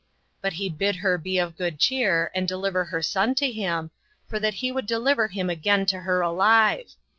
But he bid her be of good cheer, and deliver her son to him, for that he would deliver him again to her alive.